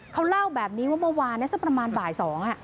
เขาเล่าแบบนี้ว่าเมื่อวานสักประมาณบ่าย๒